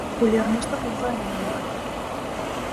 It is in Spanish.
Julio Ernesto Pinto en homenaje.